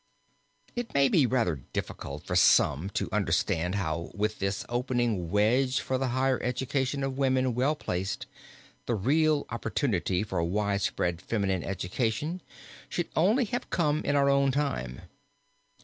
It may be rather difficult for some to understand how with this opening wedge for the higher education of women well placed, the real opportunity for widespread feminine education should only have come in our own time.